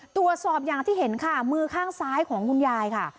ตรวจสอบอย่างที่เห็นค่ะมือข้างซ้ายของคุณยายค่ะ